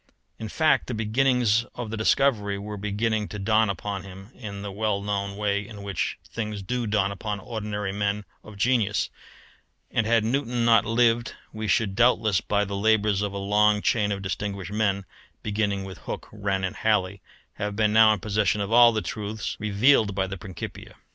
In fact the beginnings of the discovery were beginning to dawn upon him in the well known way in which things do dawn upon ordinary men of genius: and had Newton not lived we should doubtless, by the labours of a long chain of distinguished men, beginning with Hooke, Wren, and Halley, have been now in possession of all the truths revealed by the Principia.